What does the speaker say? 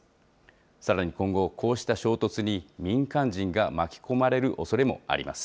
さらに今後、こうした衝突に民間人が巻き込まれるおそれもあります。